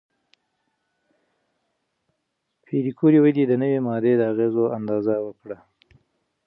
پېیر کوري ولې د نوې ماده د اغېزو اندازه وکړه؟